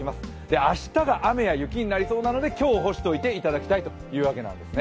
明日が雨や雪になりそうなので、今日干しておいていただきたいということなんですね。